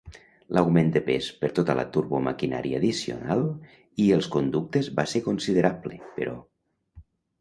L'augment de pes per tota la turbomaquinària addicional i els conductes va ser considerable, però.